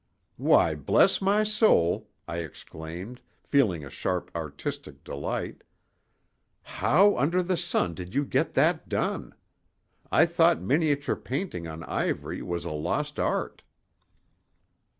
"Why, bless my soul!" I exclaimed, feeling a sharp artistic delight—"how under the sun did you get that done? I thought miniature painting on ivory was a lost art."